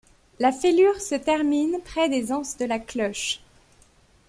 La fêlure se termine près des anses de la cloche.